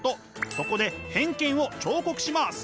そこで偏見を彫刻します！